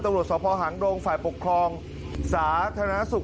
ตำรวจสอบพอหางโรงฝ่าปกครองสาธารณสุข